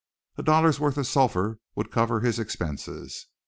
A dollar's worth of sulphur would cover his expenses.